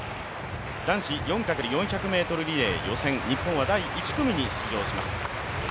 男子４×４００ｍリレー、日本は第１組に出場します。